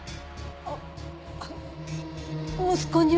あっあの息子には？